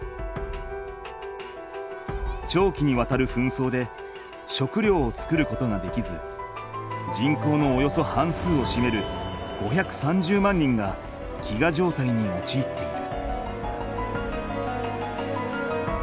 長期にわたる紛争で食料を作ることができず人口のおよそ半数をしめる５３０万人が飢餓状態におちいっている。